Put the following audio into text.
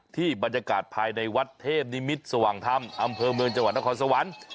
ที่บรรยากาศภายในวัดเทพนิมิตรสว่างธรรมอำเภอเมืองจังหวัดนครสวรรค์